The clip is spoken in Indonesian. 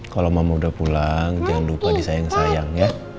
kalau mama udah pulang jangan lupa disayang sayang ya